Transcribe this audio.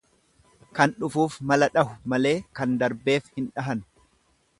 Kan dhufuuf mala dhahu malee kan darbeef hin dhahan.